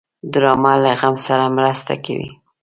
ډرامه له غم سره مرسته کوي